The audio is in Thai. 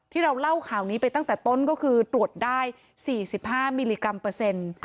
ที่เราเล่าข่าวนี้ไปตั้งแต่ต้นก็คือตรวจได้๔๕มิลลิกรัมเปอร์เซ็นต์